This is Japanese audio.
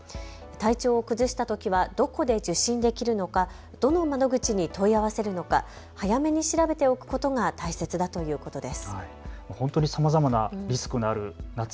体調を崩したときはどこで受診できるのか、どの窓口に問い合わせるのか早めに調べておくことが大切だということです。